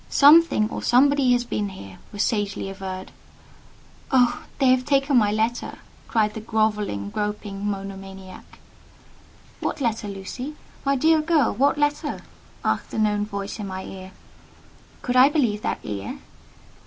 "Something or somebody has been here," was sagely averred. "Oh! they have taken my letter!" cried the grovelling, groping, monomaniac. "What letter, Lucy? My dear girl, what letter?" asked a known voice in my ear. Could I believe that ear?